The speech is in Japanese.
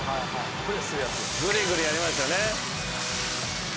グリグリやりますよね。